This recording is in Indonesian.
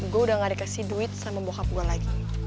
gue udah nggak dikasih duit sama bokap gue lagi